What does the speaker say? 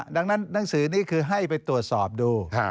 ดังนั้นหนังสือนี้คือให้ไปตรวจสอบดู